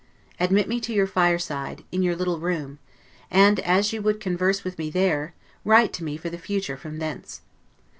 Admit me to your fire side, in your little room; and as you would converse with me there, write to me for the future from thence.